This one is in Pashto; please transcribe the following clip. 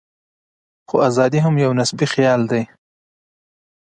خو ازادي هم یو نسبي خیال دی.